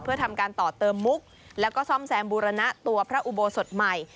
เพื่อทำการต่อเติมมุกแล้วก็ซ่อมแซมบูรณะตัวพระอุโบสถใหม่